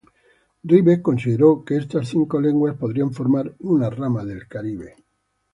Rivet consideró que estas cinco lenguas podrían formar una rama del caribe.